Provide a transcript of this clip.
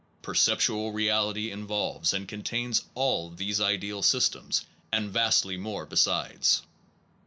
Per ceptual reality involves and contains all these ideal systems, and vastly more besides.